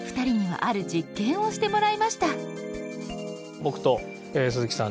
僕と鈴木さん